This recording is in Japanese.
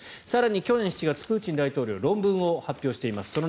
更に去年７月、プーチン大統領は論文を発表しています。